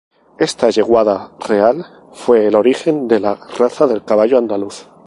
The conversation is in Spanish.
Esta yeguada real fue el origen de la raza del caballo andaluz.